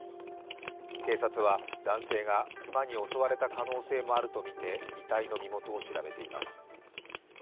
警察は男性が熊に襲われた可能性もあるとみて遺体の身元を調べています。